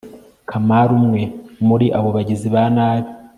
kamari umwe muri abo bagizi banabi